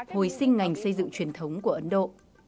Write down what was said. hồi sinh ngành xây dựng truyền thống của ấn độ